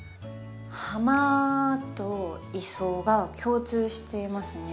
「ハマ」と「イソ」が共通していますね。